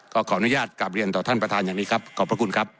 ขออนุญาตกลับเรียนต่อท่านประธานอย่างนี้ครับขอบพระคุณครับ